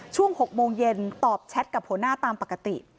ช่วง๖โมงเย็นตอบแชทกับหัวหน้าตามปกติ